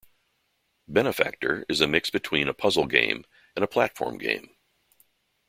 "Benefactor" is a mix between a puzzle game and a platform game.